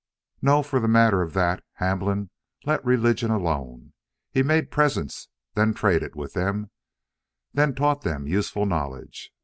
"No. For the matter of that, Hamblin let religion alone. He made presents, then traded with them, then taught them useful knowledge.